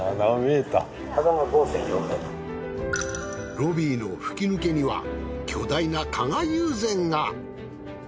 ロビーの吹き抜けには巨大な加賀友禅が。